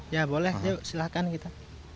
ya boleh yuk silahkan gitu